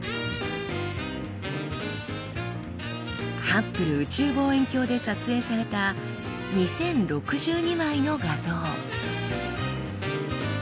ハッブル宇宙望遠鏡で撮影された２，０６２枚の画像。